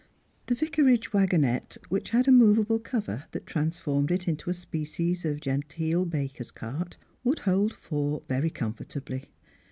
The vicarage wagonette, which had a movable cover that transformed it into a species of genteel baker's cart, would hold four very comfortably.